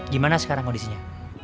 gimana sekarang kondisinya